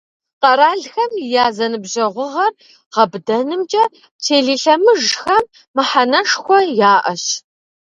Къэралхэм я зэныбжьэгъугъэр гъэбыдэнымкӏэ телелъэмыжхэм мыхьэнэшхуэ яӏэщ.